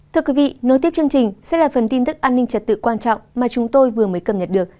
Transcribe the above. thưa quý vị nối tiếp chương trình sẽ là phần tin tức an ninh trật tự quan trọng mà chúng tôi vừa mới cập nhật được